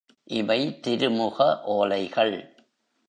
இவை திருமுக ஓலைகள்!